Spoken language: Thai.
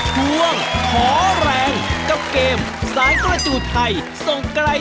ทวงท้อแรงกับเกมศานกระจูทไทย